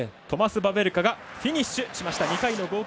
トマス・バベルカがフィニッシュしました。